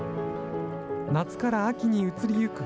夏から秋に移りゆく